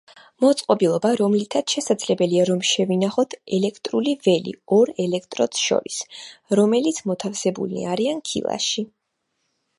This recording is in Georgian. მოწყობილობა, რომლითაც შესაძლებელია რომ „შევინახოთ“ ელექტრული ველი ორ ელექტროდს შორის, რომელნიც მოთავსებულნი არიან ქილაში.